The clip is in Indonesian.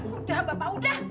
udah bapak udah